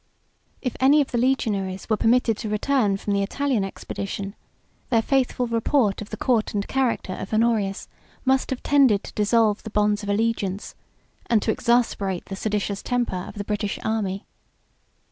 If any of the legionaries were permitted to return from the Italian expedition, their faithful report of the court and character of Honorius must have tended to dissolve the bonds of allegiance, and to exasperate the seditious temper of the British army.